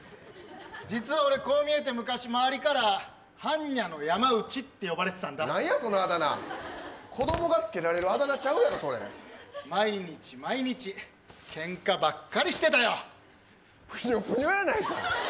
実は俺こう見えて昔周りから般若の山内って呼ばれてたんだなんやそのあだ名子供がつけられるあだ名ちゃうやろそれ毎日毎日けんかばっかりしてたよプニョプニョやないか！